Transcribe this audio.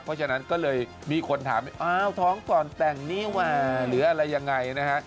เพราะฉะนั้นก็เลยมีคนถามอ้าวท้องก่อนแต่งนี่ว่ะหรืออะไรยังไงนะฮะ